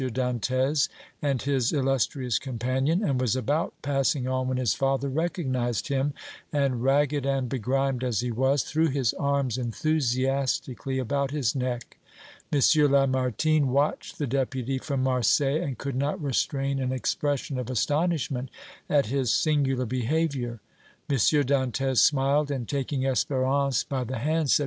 Dantès and his illustrious companion, and was about passing on when his father recognized him and, ragged and begrimed as he was, threw his arms enthusiastically about his neck. M. Lamartine watched the Deputy from Marseilles and could not restrain an expression of astonishment at his singular behavior. M. Dantès smiled and, taking Espérance by the hand, said: "M.